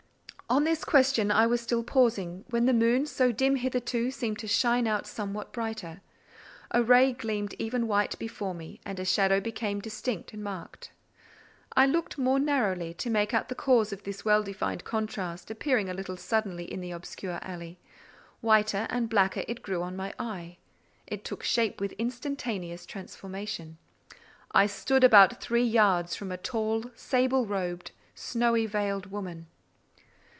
On this question I was still pausing, when the moon, so dim hitherto, seemed to shine out somewhat brighter: a ray gleamed even white before me, and a shadow became distinct and marked. I looked more narrowly, to make out the cause of this well defined contrast appearing a little suddenly in the obscure alley: whiter and blacker it grew on my eye: it took shape with instantaneous transformation. I stood about three yards from a tall, sable robed, snowy veiled woman.